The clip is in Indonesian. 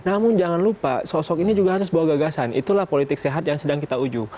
namun jangan lupa sosok ini juga harus bawa gagasan itulah politik sehat yang sedang kita uju